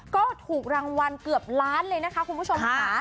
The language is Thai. ก็ถูกรางวัลเกือบล้านเลยนะคะคุณผู้ชมค่ะ